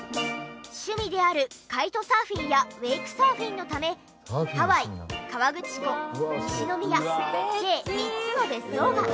趣味であるカイトサーフィンやウェイクサーフィンのためハワイ河口湖西宮計３つの別荘が。